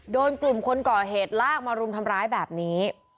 โดนกลุ่มคนก่อเหตุลากมารุมทำร้ายแบบนี้